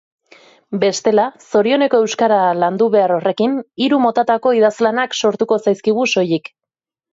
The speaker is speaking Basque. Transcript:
Bestela, zorioneko euskara landu-behar horrekin, hiru motatako idazlanak sortuko zaizkigu soilik.